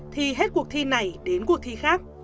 thì hết cuộc thi này đến cuộc thi khác